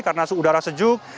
karena suhu udara sejuk